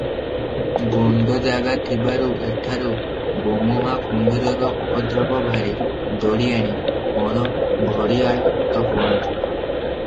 ଗଣ୍ତଜାଗା ଥିବାରୁ ଏଠାରୁ ଗୋମୁଁହା କୁମ୍ଭୀରର ଉପଦ୍ରବ ଭାରି, ଦଢ଼ିଆଣି, ପଣ ଘଡ଼ିଆଳ ତ ପଣ ।